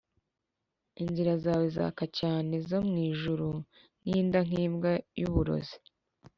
inzira zawe zaka cyane zo mwijuru.ninda nkimbwa yuburozi